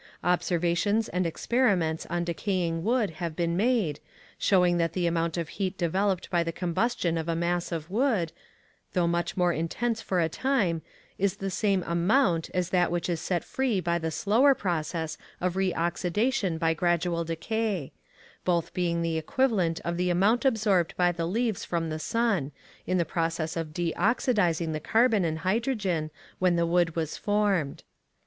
Observations and experiments on decaying wood have been made, showing that the amount of heat developed by the combustion of a mass of wood, though much more intense for a time, is the same in amount as that which is set free by the slower process of re oxidation by gradual decay; both being the equivalent of the amount absorbed by the leaves from the sun, in the process of deoxidizing the carbon and hydrogen when the wood was formed.